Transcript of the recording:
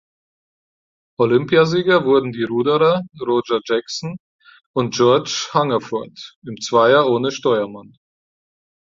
Olympiasieger wurden die Ruderer Roger Jackson und George Hungerford im Zweier ohne Steuermann.